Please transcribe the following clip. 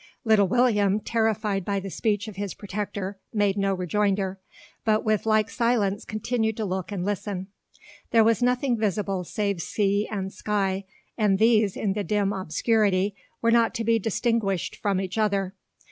Little William, terrified by the speech of his protector, made no rejoinder, but with like silence continued to look and listen. There was nothing visible save sea and sky; and these, in the dim obscurity, were not to be distinguished from each other.